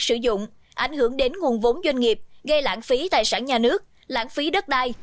sử dụng ảnh hưởng đến nguồn vốn doanh nghiệp gây lãng phí tài sản nhà nước lãng phí đất đai